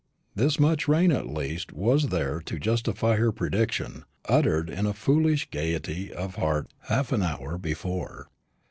This much rain at least was there to justify her prediction, uttered in such foolish gaiety of heart half an hour before.